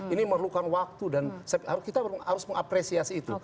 ini memerlukan waktu dan kita harus mengapresiasi itu